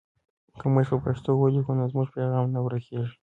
که موږ په پښتو ولیکو نو زموږ پیغام نه ورکېږي.